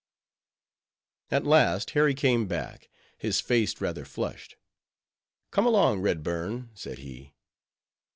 _ At last Harry came back, his face rather flushed. "Come along, Redburn," said he.